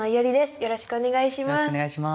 よろしくお願いします。